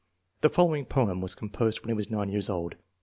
The following poem was composed when he was 9 years old.